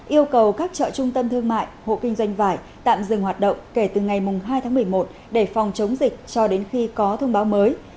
yêu cầu các chợ trung tâm thương mại hộ kinh doanh vải tạm dừng hoạt động kể từ ngày hai tháng một mươi một để phòng chống dịch cho đến khi có thông báo mới